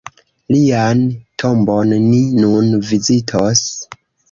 Lian tombon ni nun vizitos.